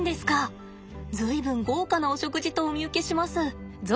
随分豪華なお食事とお見受けします。